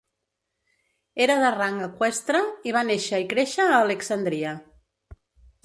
Era de rang eqüestre i va néixer i créixer a Alexandria.